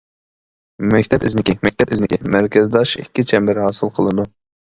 مەكتەپ ئىزنىكى مەكتەپ ئىزنىكى مەركەزداش ئىككى چەمبەر ھاسىل قىلىدۇ.